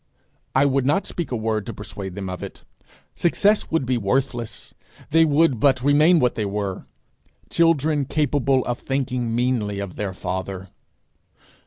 I would not speak a word to persuade them of it. Success would be worthless. They would but remain what they were children capable of thinking meanly of their father.